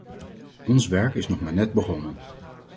Ons werk is nog maar net begonnen.